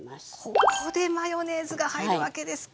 ここでマヨネーズが入るわけですか。